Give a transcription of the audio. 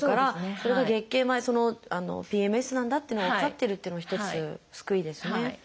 それが月経前ＰＭＳなんだっていうのが分かってるっていうのは一つ救いですね。